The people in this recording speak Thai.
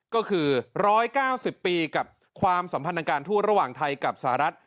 ก็คือ๑๙๐ปีกับความสัมพันธ์ทางการทูตระหว่างไทยกับสหรัฐ